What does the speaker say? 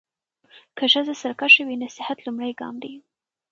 که ښځه سرکشه وي، نصيحت لومړی ګام دی.